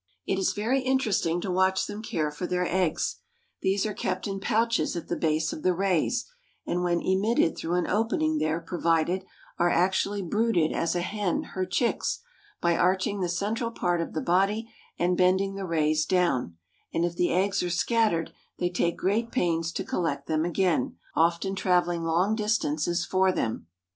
It is very interesting to watch them care for their eggs. These are kept in pouches at the base of the rays, and when emitted through an opening there provided, are actually brooded as a hen her chicks, by arching the central part of the body and bending the rays down, and if the eggs are scattered they take great pains to collect them again, often traveling long distances for them.